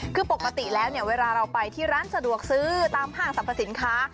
คือปกติแล้วเนี่ยเวลาเราไปที่ร้านสะดวกซื้อตามห้างสรรพสินค้า